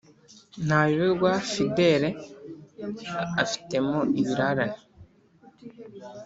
ntayoberwa fidele afitemo ibirarane